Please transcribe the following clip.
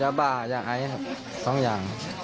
ยาบ่าอย่างไหนครับสองอย่างครับ